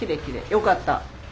よかった。